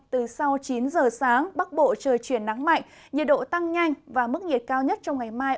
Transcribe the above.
từ sau chín giờ sáng bắc bộ trời chuyển nắng mạnh nhiệt độ tăng nhanh và mức nhiệt cao nhất trong ngày mai